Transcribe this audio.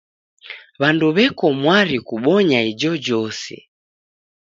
W'andu w'eko mwari kubonya ijojose.